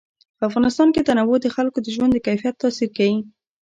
په افغانستان کې تنوع د خلکو د ژوند په کیفیت تاثیر کوي.